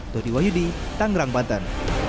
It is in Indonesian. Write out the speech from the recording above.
dori wahyudi tanggerang banten